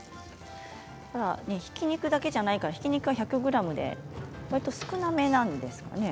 ひき肉だけじゃないからひき肉は１００ｇで少なめですね。